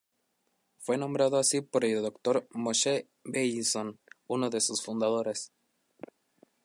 Fue nombrado así por el Dr. Moshe Beilinson, uno de sus fundadores.